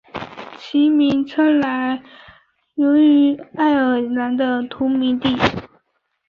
其名称来源于爱尔兰的同名地。